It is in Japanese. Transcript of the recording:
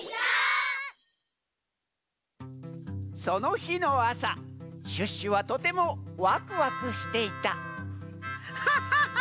そのひのあさシュッシュはとてもわくわくしていたハハハ！